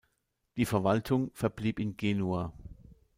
Die Verwaltung verblieb in Genua.